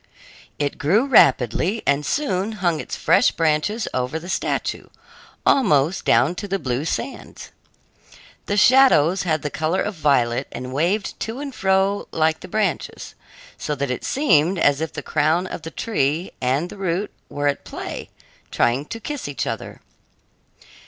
It grew rapidly and soon hung its fresh branches over the statue, almost down to the blue sands. The shadows had the color of violet and waved to and fro like the branches, so that it seemed as if the crown of the tree and the root were at play, trying to kiss each other.